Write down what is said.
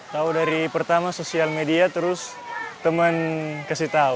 tahu dari pertama sosial media terus teman kasih tahu